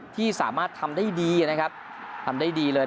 ที่สามารถทำได้ดีนะครับทำได้ดีเลย